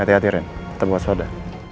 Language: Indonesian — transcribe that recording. hati hati ren tetep waspada